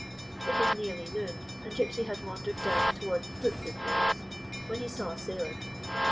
It was nearly noon, and Gypsy had wandered down toward the Brooklyn ferries, when he saw a sailor.